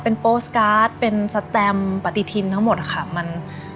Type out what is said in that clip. เป็นโปสการ์ดเป็นสแตมปฏิทินทั้งหมดค่ะ